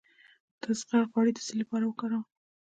د زغر غوړي د څه لپاره وکاروم؟